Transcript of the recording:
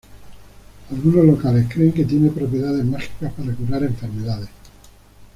Algunos locales creen que tiene propiedades mágicas para curar enfermedades.